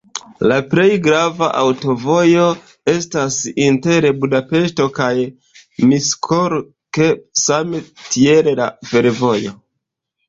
La plej grava aŭtovojo estas inter Budapeŝto kaj Miskolc, same tiel la fervojo.